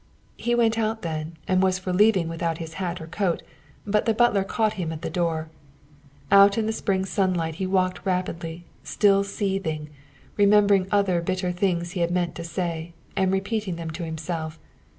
He went out then, and was for leaving without his hat or coat, but the butler caught him at the door. Out in the spring sunlight he walked rapidly, still seething, remembering other bitter things he had meant to say, and repeating them to himself.